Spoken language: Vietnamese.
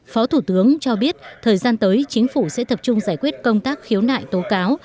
phó thủ tướng cho biết thời gian tới chính phủ sẽ tập trung giải quyết công tác khiếu nại tố cáo